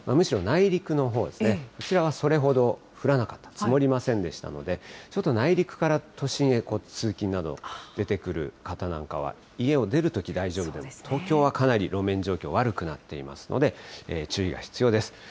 むしろ内陸のほうですね、こちらはそれほど降らなかった、積もりませんでしたので、ちょっと内陸から都心へ通勤など、出てくる方なんかは、家を出るとき大丈夫でも、東京はかなり路面状況、悪くなっていますので、注意が必要です。